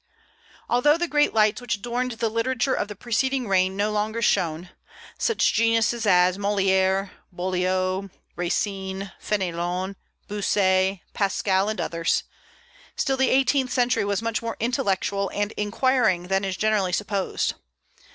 Although the great lights which adorned the literature of the preceding reign no longer shone, such geniuses as Molière, Boileau, Racine, Fénelon, Bossuet, Pascal, and others, still the eighteenth century was much more intellectual and inquiring than is generally supposed.